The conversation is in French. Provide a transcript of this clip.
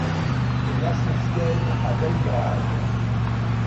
Elle a son siège à Belgrade.